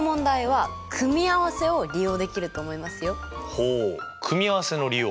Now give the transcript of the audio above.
ほう組合せの利用？